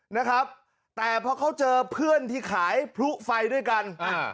นะครับแต่พอเขาเจอเพื่อนที่ขายพลุไฟด้วยกันอ่า